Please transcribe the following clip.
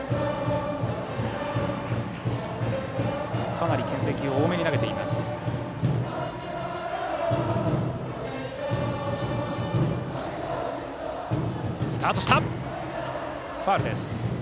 かなり、けん制球を多めに投げています淺田。